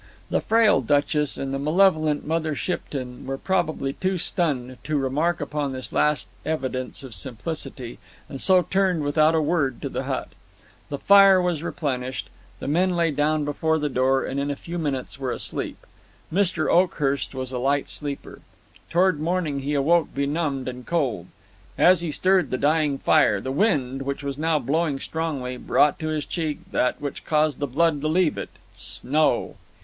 The frail Duchess and the malevolent Mother Shipton were probably too stunned to remark upon this last evidence of simplicity, and so turned without a word to the hut. The fire was replenished, the men lay down before the door, and in a few minutes were asleep. Mr. Oakhurst was a light sleeper. Toward morning he awoke benumbed and cold. As he stirred the dying fire, the wind, which was now blowing strongly, brought to his cheek that which caused the blood to leave it snow!